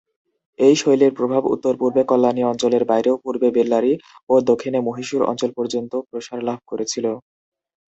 এই শৈলীর প্রভাব উত্তরপূর্বে কল্যাণী অঞ্চলের বাইরেও পূর্বে বেল্লারী ও দক্ষিণে মহীশূর অঞ্চল পর্যন্ত প্রসার লাভ করেছিল।